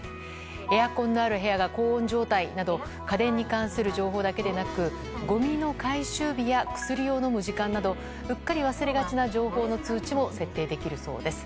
エアコンのある部屋が高温状態など家電に関する情報だけでなくごみの回収日や薬を飲む時間などうっかり忘れがちの情報の通知も設定できるそうです。